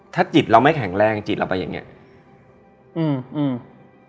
ถ้าจิตเราไม่แข็งแรงจิตเราไปอย่างเงี้ยอืมอืม